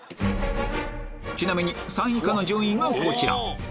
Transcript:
ちなみに３位以下の順位がこちら